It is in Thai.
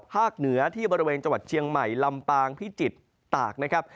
เหนือที่บริเวณจังหวัดเชียงใหม่ลำปางพิจิตรตากนะครับ